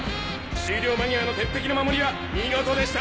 終了間際の鉄壁の守りは見事でした！